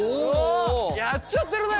やっちゃってるね。